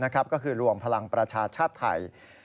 ก็คือรวมพลังประชาชาติไทย